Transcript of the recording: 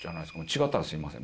違ったらすみません。